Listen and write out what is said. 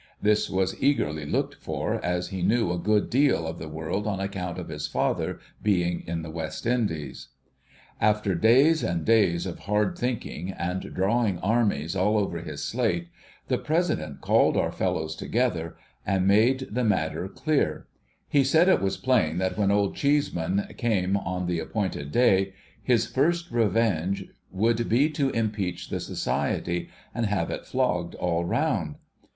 This was eagerly looked for, as he knew a good deal of the world on account of his father's being in the West Indies. After days and days of hard thinking, and drawing armies all over his slate, the President called our fellows together, and made 48 THE SCHOOLBOY'S STORY the matter clear. He said it was plain that when Old Cheeseinan came on the api)ointed day, his first revenge would be to impeach the Society, and have it flogged all round.